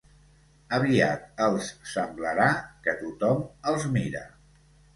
Aviat els semblarà que tothom els mira.